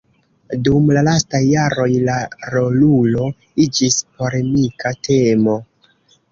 Dum la lastaj jaroj, la rolulo iĝis polemika temo.